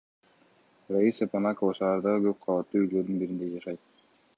Раиса Понакова шаардагы көп кабаттуу үйлөрдүн биринде жашайт.